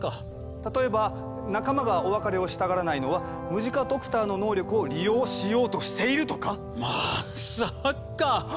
例えば仲間がお別れをしたがらないのはムジカドクターの能力を利用しようとしているとか⁉まさか。